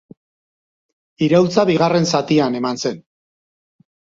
Iraultza bigarren zatian eman zen.